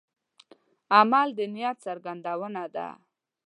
عمل د نیت څرګندونه ده.